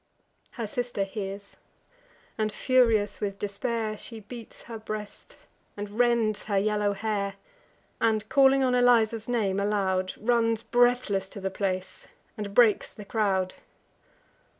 Her sister hears; and, furious with despair, She beats her breast, and rends her yellow hair, And, calling on Eliza's name aloud, Runs breathless to the place, and breaks the crowd.